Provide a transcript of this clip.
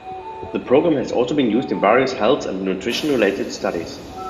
The program has also been used in various health and nutrition-related studies.